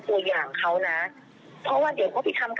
เพราะเขาตกใดมาก